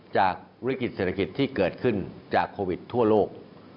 จากวิกฤตเศรษฐกิจที่เกิดขึ้นจากโควิดทั่วโลก